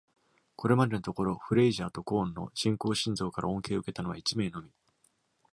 これまでのところ、フレイジャーとコーンの人工心臓から恩恵を受けたのは一名のみ。